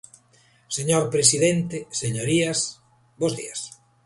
Señor presidente, señorías, bos días.